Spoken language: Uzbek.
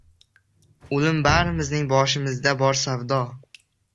O‘lim barimizning boshimizda bor savdo.